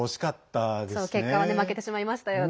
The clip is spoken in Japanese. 結果はね負けてしまいましたよね。